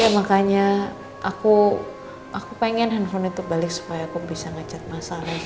ya makanya aku pengen handphonenya terbalik supaya aku bisa ngechat mas al lagi